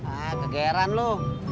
ah kegeran lo